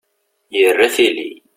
Yerra tili.